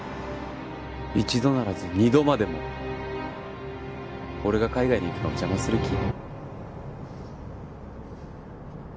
一度ならず二度までも俺が海外に行くのを邪魔する気？